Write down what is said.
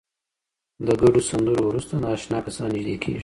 د ګډو سندرو وروسته نااشنا کسان نږدې کېږي.